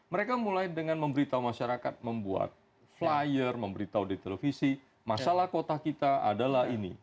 mereka mulai dengan memberitahu masyarakat membuat flyer memberitahu di televisi masalah kota kita adalah ini